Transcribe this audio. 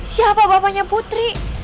siapa bapaknya putri